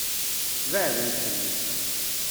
Beɛɛdemt fell-i.